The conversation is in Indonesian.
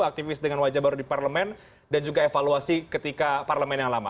aktivis dengan wajah baru di parlemen dan juga evaluasi ketika parlemen yang lama